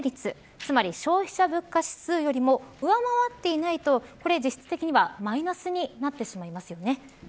つまり消費者物価指数よりも上回っていないと実質的にはマイナスになってしまいますよね。